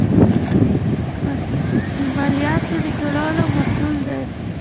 مستوفیت د مالیاتو ټولولو مسوول دی